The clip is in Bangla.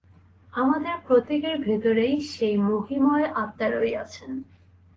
আমাদের প্রত্যেকের ভিতরে সেই মহিমময় আত্মা রহিয়াছেন।